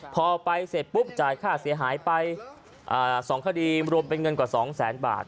พอไปเสร็จปุ๊บจ่ายค่าเสียหายไป๒คดีรวมเป็นเงินกว่า๒แสนบาท